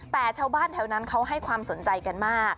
แต่ชาวบ้านแถวนั้นเขาให้ความสนใจกันมาก